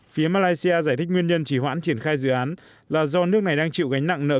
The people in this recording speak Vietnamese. phía malaysia giải thích nguyên nhân chỉ hoãn triển khai dự án là do nước này đang chịu gánh nặng nợ